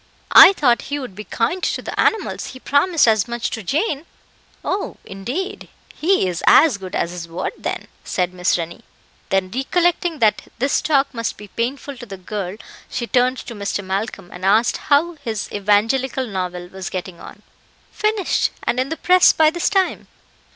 "I thought he would be kind to the animals; he promised as much to Jane." "Oh! indeed, he is as good as his word, then," said Miss Rennie. Then, recollecting that this talk must be painful to the girl, she turned to Mr. Malcolm, and asked how his evangelical novel was getting on. "Finished, and in the press by this time."